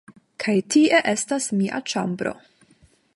Kaj tie estas mia ĉambro